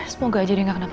semoga aja gak kenapa kenapa